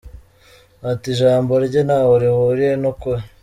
Ati “Ijambo rye ntaho rihuriye n’ukuri.